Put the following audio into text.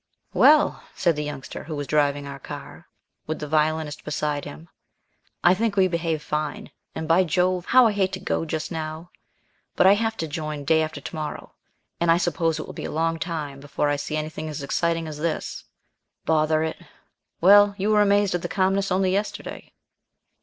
"Well," said the Youngster, who was driving our car, with the Violinist beside him, "I think we behaved fine, and, by Jove, how I hate to go just now! But I have to join day after to morrow, and I suppose it will be a long time before I see anything as exciting as this. Bother it. Well, you were amazed at the calmness only yesterday!"